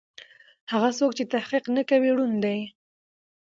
هغه څوک چې تحقيق نه کوي ړوند دی.